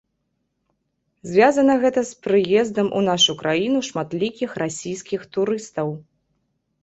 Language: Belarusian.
Звязана гэта з прыездам у нашу краіну шматлікіх расійскіх турыстаў.